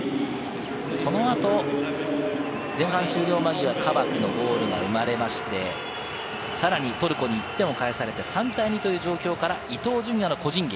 その後、前半終了間際、カバクのゴールが生まれまして、さらに、トルコに１点を返されて３対２という状況から伊東純也の個人技。